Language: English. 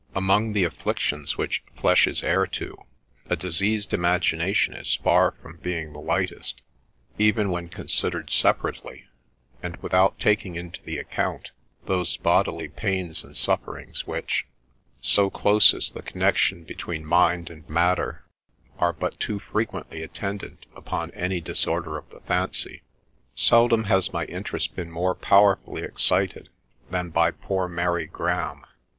Among the afflictions which flesh is heir to, a diseased imagination is far from being the lightest, even when considered separately, and without taking into the account those bodily pains and sufferings which — so close is the connection between mind and matter — are but too frequently attendant upon any disorder of the fancy. Seldom has my interest been more powerfully excited than by poor Mary Graham.